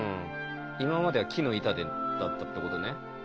今までは木の板だったってことね。